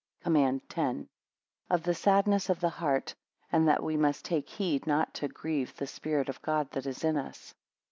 COMMAND X. Of the sadness of the heart; and that we must take, heed not to grieve the spirit of God that is in us.